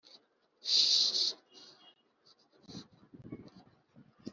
aho ugeze hose ukumva barora